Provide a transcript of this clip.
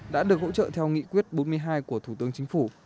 đã được hỗ trợ theo nghị quyết bốn mươi hai của thủ tướng chính phủ